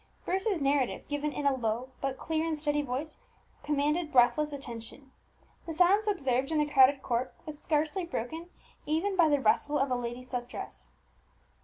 Bruce's narrative, given in a low but clear and steady voice, commanded breathless attention. The silence observed in the crowded court was scarcely broken even by the rustle of a lady's silk dress.